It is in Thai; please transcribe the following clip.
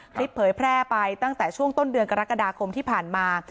เผยแพร่ไปตั้งแต่ช่วงต้นเดือนกรกฎาคมที่ผ่านมา